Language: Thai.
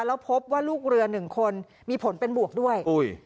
แล้วพบว่าลูกเรือหนึ่งคนมีผลเป็นบวกด้วย